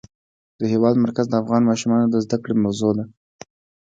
د هېواد مرکز د افغان ماشومانو د زده کړې موضوع ده.